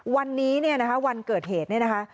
วันนี้นะครับวันเกิดเหตุนี่นะคะ